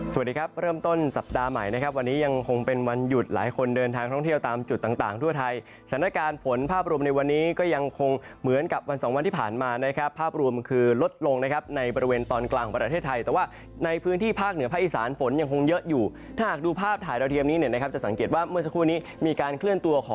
สวัสดีครับเริ่มต้นสัปดาห์ใหม่นะครับวันนี้ยังคงเป็นวันหยุดหลายคนเดินทางท่องเที่ยวตามจุดต่างทั่วไทยสถานการณ์ฝนภาพรวมในวันนี้ก็ยังคงเหมือนกับวันสองวันที่ผ่านมานะครับภาพรวมคือลดลงนะครับในบริเวณตอนกลางประเทศไทยแต่ว่าในพื้นที่ภาคเหนือภาคอีสานฝนยังคงเยอะอยู่ถ้าหาก